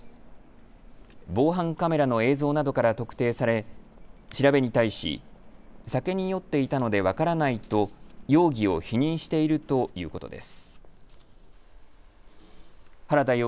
防犯カメラの映像などから特定され、調べに対し、酒に酔っていたので分からないと容疑を否認しているということです。